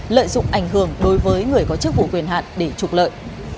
lợi dụng ảnh hưởng đối với người có chức vụ quyền hạn để trục lợi